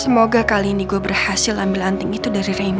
semoga kali ini gue berhasil ambil anting itu dari venue